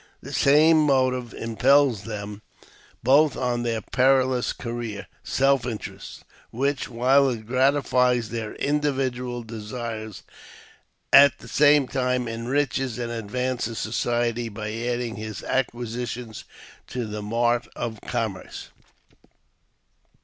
The same motive impels them both on their perilous career — self interest, which, while it gratifies their individual desires, at the same time enriches and advances society, by adding his acquisitions to the mart of commerce.